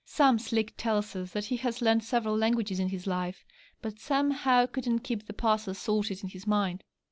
Sam Slick tells us that he has learnt several languages in his life, but somehow 'couldn't keep the parcels sorted' in his mind.